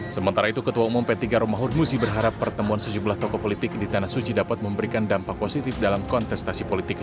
sementara itu ketua umum p tiga rumah urmusi berharap pertemuan sejumlah tokoh politik di tanah suci dapat memberikan dampak positif dalam kontestasi politik dua ribu sembilan belas